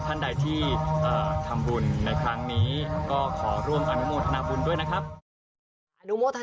ท่านใดที่ทำบุญในครั้งนี้ก็ขอร่วมอนุโมทนาบุญด้วยนะครับ